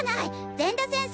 善田先生